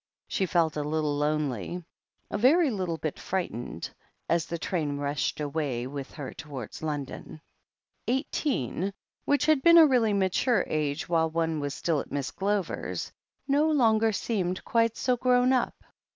She felt a little lonely, a very little bit frightened, as the train rushed away with her towards London. Eighteen, which had been a really mature age while one was still at Miss Glover's, no longer seemed quite so grown up.